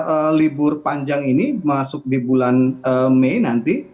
karena libur panjang ini masuk di bulan mei nanti